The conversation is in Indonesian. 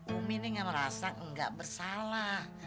umi nih gak merasa gak bersalah